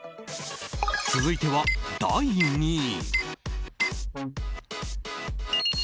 続いては、第２位。